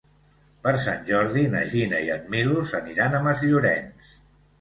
Per Sant Jordi na Gina i en Milos aniran a Masllorenç.